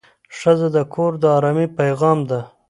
ښځه د کور د ارامۍ پېغام ده.